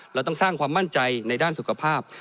เราต้องสร้างความมั่นใจในด้านสุขภาพ